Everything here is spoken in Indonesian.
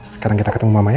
sekarang kita ketemu mama ya